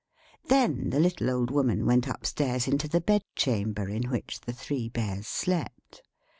Then the little Old Woman went upstairs into the bedroom, where the three Bears slept.